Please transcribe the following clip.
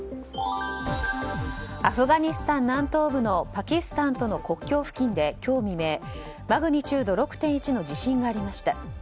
アフガニスタン南東部のパキスタンとの国境付近で今日未明マグニチュード６．１の地震がありました。